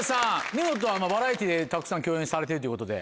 ニノとはバラエティーでたくさん共演されてるということで。